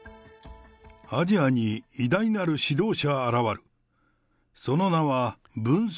アジアに偉大なる指導者現る。